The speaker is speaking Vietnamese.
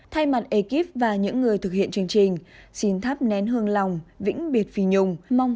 thay mặt ekip và những người thực hiện chương trình xin tháp nén hương lòng vĩnh biệt phi nhung mong cô an nghỉ